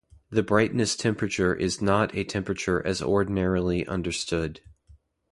The brightness temperature is not a temperature as ordinarily understood.